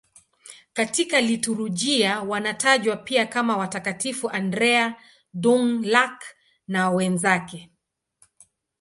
Katika liturujia wanatajwa pia kama Watakatifu Andrea Dũng-Lạc na wenzake.